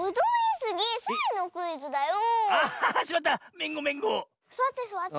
すわってすわって。